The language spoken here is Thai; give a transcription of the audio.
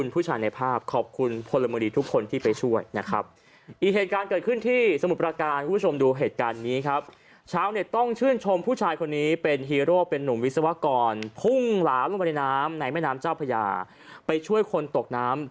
ภูงล้างลงไปในน้ำไหนไม่น้ำเจ้าพญาไปช่วยคนตกน้ำ